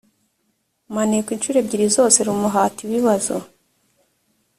maneko incuro ebyiri zose rumuhata ibibazo